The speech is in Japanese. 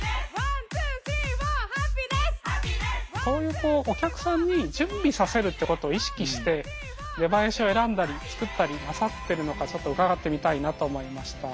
そういうお客さんに準備させるってことを意識して出囃子を選んだり作ったりなさってるのかちょっと伺ってみたいなと思いました。